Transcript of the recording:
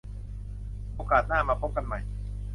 โอกาสหน้ามาพบกันใหม่